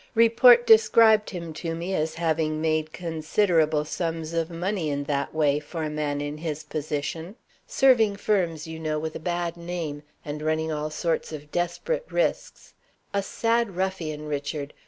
Report described him to me as having made considerable sums of money in that way, for a man in his position; serving firms, you know, with a bad name, and running all sorts of desperate risks. A sad ruffian, Richard!